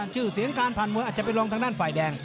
ชื่อเสียงการผ่านมวยอาจจะเป็นรองทางด้านฝ่ายแดง